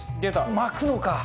巻くのか！